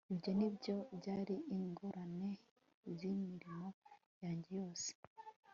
ibyo ni byo byari ingororano z'imirimo yanjye yose